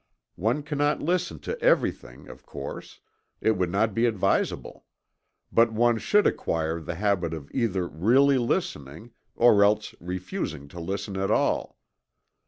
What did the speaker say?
One cannot listen to everything, of course it would not be advisable. But one should acquire the habit of either really listening or else refusing to listen at all.